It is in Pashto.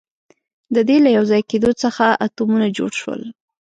د دې له یوځای کېدو څخه اتمونه جوړ شول.